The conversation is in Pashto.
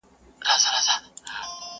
ملکه له تخته پورته په هوا سوه؛